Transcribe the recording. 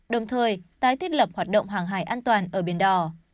đồng thời tái thiết lập hoạt động hàng hải an toàn ở biển đỏ